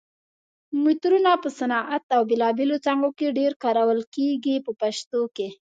مترونه په صنعت او بېلابېلو څانګو کې ډېر کارول کېږي په پښتو کې.